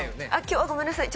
今日はごめんなさい。